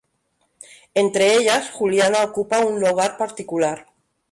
Entre ellas, Juliana ocupa un lugar particular.